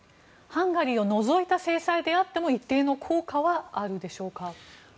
ハンガリーを除いた制裁であっても一定の効果はあるでしょうか。